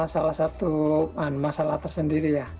salah satu masalah tersendiri ya